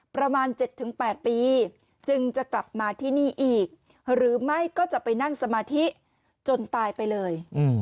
ประมาณ๗๘ปีจึงจะกลับมาที่นี่อีกหรือไม่ก็จะไปนั่งสมาธิจนตายไปเลย